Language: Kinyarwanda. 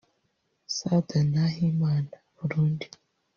Sada Nahimana (Burundi)